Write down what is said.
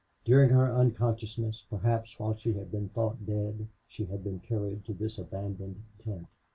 During her unconsciousness, perhaps while she had been thought dead, she had been carried to this abandoned tent.